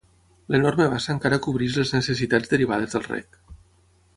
L'enorme bassa encara cobreix les necessitats derivades del rec.